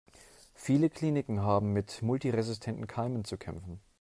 Viele Kliniken haben mit multiresistenten Keimen zu kämpfen.